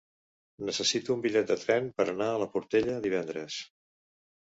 Necessito un bitllet de tren per anar a la Portella divendres.